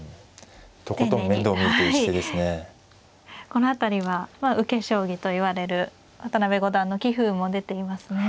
この辺りは受け将棋といわれる渡辺五段の棋風も出ていますね。